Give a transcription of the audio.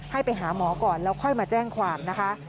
ให้ไปหาหมอก่อนแล้วค่อยมาแจ้งความนะคะ